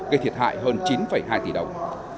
gây thiệt hại hơn chín hai tỷ đồng